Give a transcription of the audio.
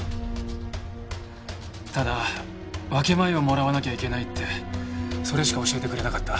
ただ分け前をもらわなきゃいけないってそれしか教えてくれなかった。